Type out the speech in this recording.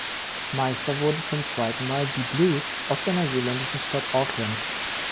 Meister wurden zum zweiten Mal die Blues aus der neuseeländischen Stadt Auckland.